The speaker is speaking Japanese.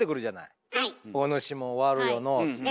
「おぬしも悪よのう」っつって。